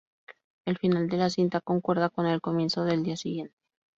El final de la cinta concuerda con el comienzo del día siguiente.